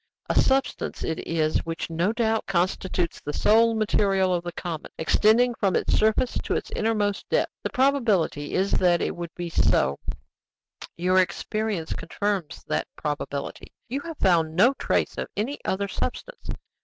"A substance it is which no doubt constitutes the sole material of the comet, extending from its surface to its innermost depths. The probability is that it would be so; your experience confirms that probability: you have found no trace of any other substance.